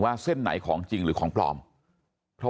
สวัสดีครับคุณผู้ชาย